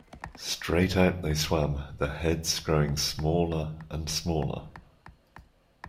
Straight out they swam, their heads growing smaller and smaller.